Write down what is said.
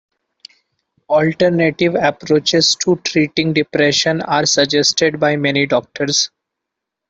Alternative approaches to treating depression are suggested by many doctors.